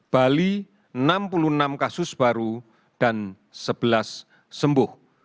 bali enam puluh enam kasus baru dan sebelas sembuh